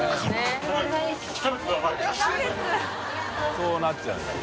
そうなっちゃうよ。